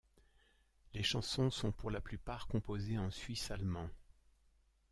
Les chansons sont pour la plupart composées en suisse allemand.